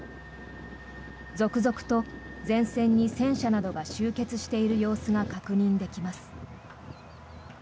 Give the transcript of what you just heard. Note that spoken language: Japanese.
続々と前線に戦車などが集結している様子が確認できます。